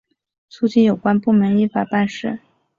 促进有关部门依法办事